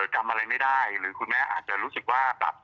จำอะไรไม่ได้หรือคุณแม่อาจจะรู้สึกว่าแบบ